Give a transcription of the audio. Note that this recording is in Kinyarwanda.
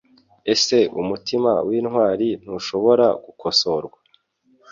Ese umutima wintwari ntushobora gukosorwa